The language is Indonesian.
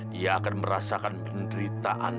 dia akan merasakan penderitaan